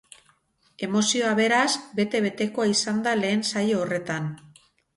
Emozioa beraz bete-betekoa izan da lehen saio horretan.